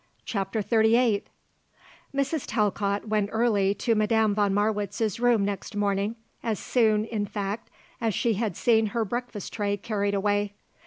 CHAPTER XXXVIII Mrs. Talcott went early to Madame von Marwitz's room next morning, as soon, in fact, as she had seen her breakfast tray carried away.